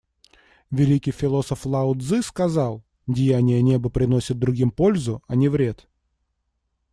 Великий философ Лао Цзы сказал: «Деяния Неба приносят другим пользу, а не вред.